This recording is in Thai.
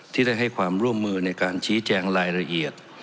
ที่ได้ให้ความร่วมมือในการชี้แจงรายละเอียด